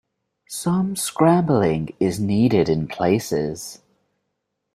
Some scrambling is needed in places.